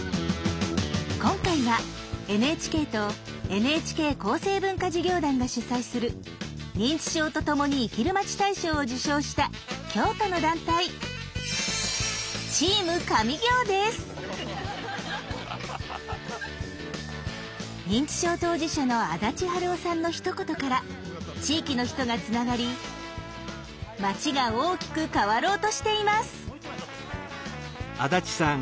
今回はＮＨＫとＮＨＫ厚生文化事業団が主催する「認知症とともに生きるまち大賞」を受賞した京都の団体認知症当事者の安達春雄さんのひと言から地域の人がつながり町が大きく変わろうとしています。